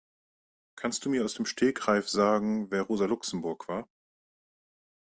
Kannst du mir aus dem Stegreif sagen, wer Rosa Luxemburg war?